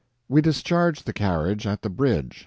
We discharged the carriage at the bridge.